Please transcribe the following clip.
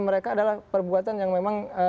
mereka adalah perbuatan yang memang